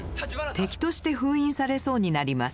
敵として封印されそうになります。